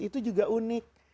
itu juga unik